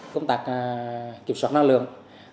công tác kiểm soát năng lượng